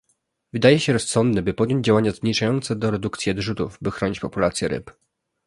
Wydaje się rozsądne, by podjąć działania zmierzające do redukcji odrzutów, aby chronić populację ryb